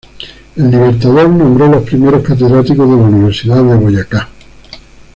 El Libertador nombró los primeros catedráticos de la Universidad de Boyacá.